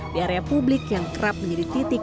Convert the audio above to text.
di area publik yang kerap menjadi titik